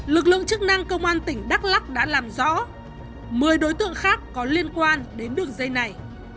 lực lượng chức năng công an tỉnh đắk lắc đã làm rõ một mươi đối tượng khác có liên quan đến đường dây này